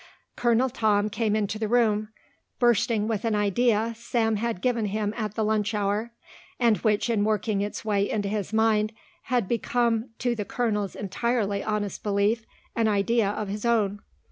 Colonel Tom came into the room, bursting with an idea Sam had given him at the lunch hour and which in working its way into his mind had become to the colonel's entirely honest belief an idea of his own.